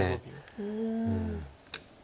うん。